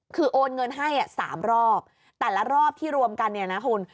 คือโอนเงินให้๓รอบแต่ละรอบที่รวมกันเนี่ยนะคุณ